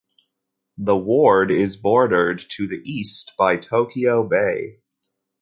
The Ward is bordered to the east by Tokyo Bay.